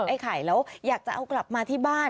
ไข่แล้วอยากจะเอากลับมาที่บ้าน